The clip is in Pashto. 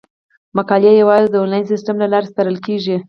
مقالې یوازې د انلاین سیستم له لارې سپارل کیږي.